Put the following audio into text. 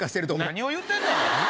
何を言うてんねん！